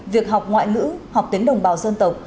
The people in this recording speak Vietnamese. việc học ngoại ngữ học tiếng đồng bào dân tộc